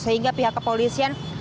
sehingga pihak kepolisian